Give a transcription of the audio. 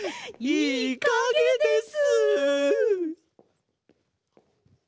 いいかげです。